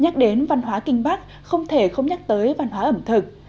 nhắc đến văn hóa kinh bắc không thể không nhắc tới văn hóa ẩm thực